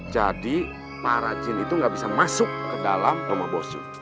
jadi para jin itu gak bisa masuk ke dalam rumah bosun